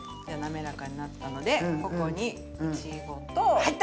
じゃあ滑らかになったのでここにいちごと。